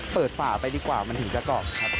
เปิดฝาไปดีกว่ามันถึงจะกรอบครับ